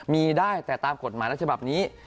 มีได้แต่ตามกฎหมายรัชฉบับนี้